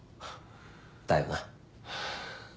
だよな。